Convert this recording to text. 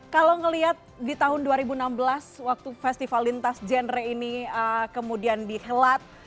kalau ngelihat di tahun dua ribu enam belas waktu festival lintas genre ini kemudian dihelat